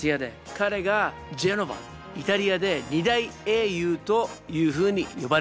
イタリアで２大英雄というふうに呼ばれています。